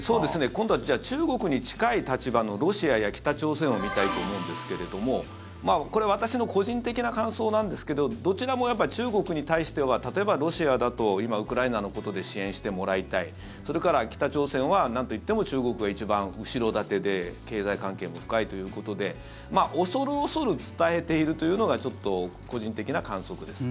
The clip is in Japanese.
今度は、じゃあ中国に近い立場のロシアや北朝鮮を見たいと思うんですけれどもこれ、私の個人的な感想なんですけどどちらも中国に対しては例えば、ロシアだと今、ウクライナのことで支援してもらいたいそれから、北朝鮮はなんといっても中国が一番後ろ盾で経済関係も深いということで恐る恐る伝えているというのが個人的な観測です。